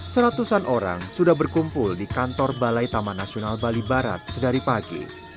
seratusan orang sudah berkumpul di kantor balai taman nasional bali barat sedari pagi